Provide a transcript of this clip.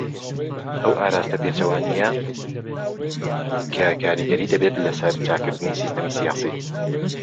ئەو ئاراستە پێچەوانیە کە کاریگەری دەبێت لەسەر چاکردنی سیستەمی سیاسی.